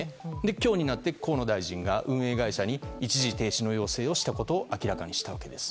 今日になって河野大臣が運営会社に一時停止の要請をしたことを明らかにしたわけです。